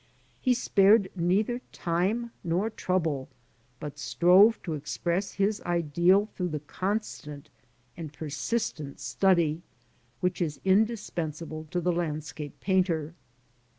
He spared neither time nor trouble, but strove to express his ideal through the constant and persistent study which is indispensable to the landscape painter.